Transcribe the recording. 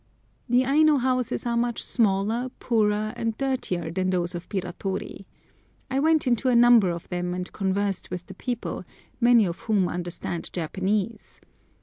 The Aino houses are much smaller, poorer, and dirtier than those of Biratori. I went into a number of them, and conversed with the people, many of whom understand Japanese.